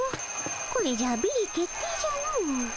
これじゃビリ決定じゃの。